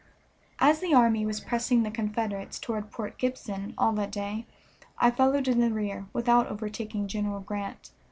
As the army was pressing the Confederates toward Port Gibson all that day I followed in the rear, without overtaking General Grant.